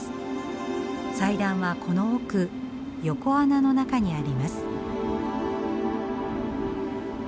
祭壇はこの奥横穴の中にあります。